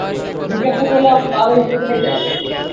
জিজ্ঞাসা করিলাম, তা হইলে কোথায় যাইবে?